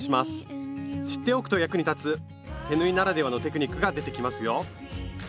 知っておくと役に立つ手縫いならではのテクニックが出てきますよ！